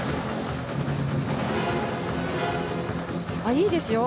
いいですよ。